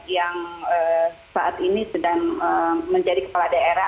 yang saat ini sedang menjadi kepala daerah